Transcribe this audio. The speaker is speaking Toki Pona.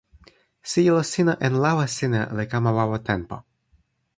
sijelo sina en lawa sina li kama wawa tenpo.